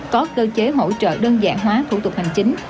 có cơ chế hỗ trợ đơn giản hóa thủ tục hành chính